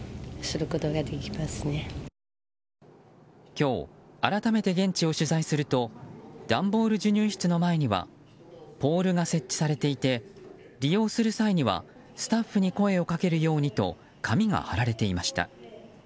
今日、改めて現地を取材すると段ボール授乳室の前にはポールが設置されていて利用する際にはスタッフに声をかけるようにと紙が貼られていました。